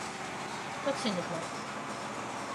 Dat sis ik net.